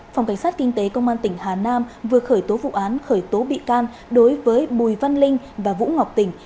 phòng cảnh sát kinh tế công an tỉnh hà nam vừa khởi tố vụ án khởi tố bị can đối với bùi văn linh và vũ ngọc tỉnh